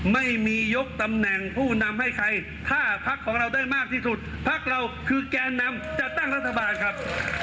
ไม่มียกตำแหน่งผู้นำให้ใครถ้าพักของเราได้มากที่สุดพักเราคือแกนนำจัดตั้งรัฐบาลครับ